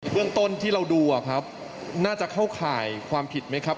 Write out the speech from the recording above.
เรื่องต้นที่เราดูน่าจะเข้าข่ายความผิดไหมครับ